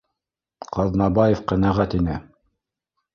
Ҡаҙнабаев ҡәнәғәт ине: